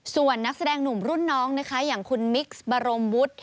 ส่วนนักแสดงหนุ่มรุ่นน้องนะคะอย่างคุณมิกซ์บรมวุฒิ